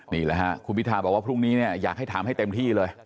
นี่แหละฮะคุณพิทาบอกว่าพรุ่งนี้เนี่ยอยากให้ถามให้เต็มที่เลย